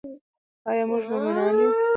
آیا موږ مومنان یو؟